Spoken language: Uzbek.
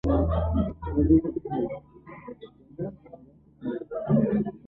Azizim, ayt, Senda qandayin kunlar?